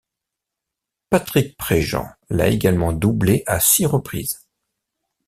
Patrick Préjean l'a également doublé à six reprises.